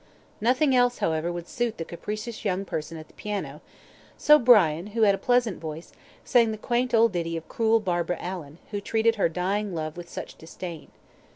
Nothing else however would suit the capricious young person at the piano, so Brian, who had a pleasant voice, sang the quaint old ditty of cruel Barbara Allan, who treated her dying love with such disdain.